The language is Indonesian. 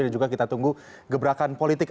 dan juga kita tunggu gebrakan politik